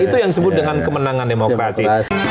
itu yang disebut dengan kemenangan demokrasi